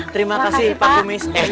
terima kasih pak kades